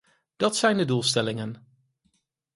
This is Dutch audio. Dat zijn de doelstellingen.